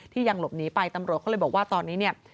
ยังหลบหนีไปตำรวจเขาเลยบอกว่าตอนนี้เนี่ย